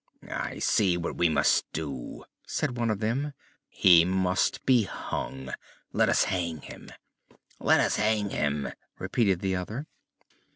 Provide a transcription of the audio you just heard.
"I see what we must do," said one of them. "He must be hung! let us hang him!" "Let us hang him!" repeated the other.